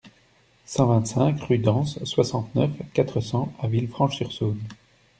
cent vingt-cinq rue d'Anse, soixante-neuf, quatre cents à Villefranche-sur-Saône